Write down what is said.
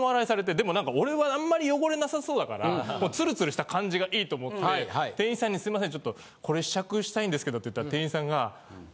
でもなんか俺はあんまり汚れなさそうだからツルツルした感じがいいと思って店員さんに「すいませんちょっとこれ試着したいんですけど」って言ったら店員さんが。